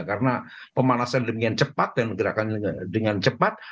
karena pemanasan demikian cepat dan gerakan dengan cepat